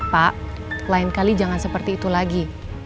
pak lain kali jangan seperti itu lagi